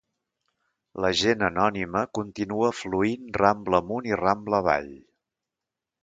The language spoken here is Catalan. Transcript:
La gent anònima continua fluint Rambla amunt i Rambla avall.